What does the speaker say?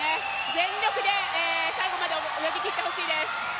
全力で、最後まで泳ぎきってほしいです。